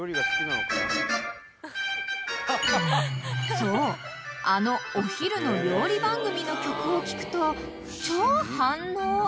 ［そうあのお昼の料理番組の曲を聴くと超反応！］